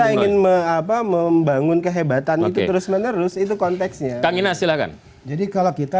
ingin membangun kehebatan terus menerus itu konteksnya kang inas silakan jadi kalau kita